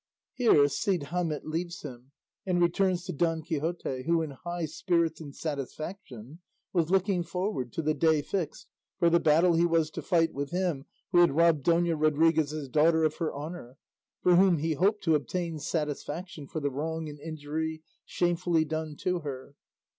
Here Cide Hamete leaves him, and returns to Don Quixote, who in high spirits and satisfaction was looking forward to the day fixed for the battle he was to fight with him who had robbed Dona Rodriguez's daughter of her honour, for whom he hoped to obtain satisfaction for the wrong and injury shamefully done to her.